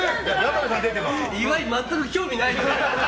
岩井、全く興味ないだろ。